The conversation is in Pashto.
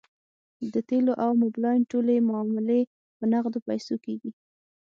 د تیلو او موبلاین ټولې معاملې په نغدو پیسو کیږي